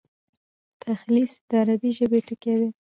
تلخیص د عربي ژبي ټکی دﺉ.